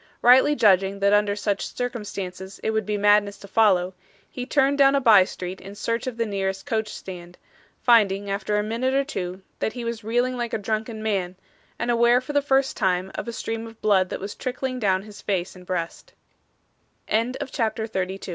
Rightly judging that under such circumstances it would be madness to follow, he turned down a bye street in search of the nearest coach stand, finding after a minute or two that he was reeling like a drunken man, and aware for the first time of a stream of blood that was trickling down his face and brea